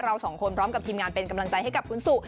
เราสองคนพร้อมกับทีมงานเป็นกำลังใจให้กับคุณสุ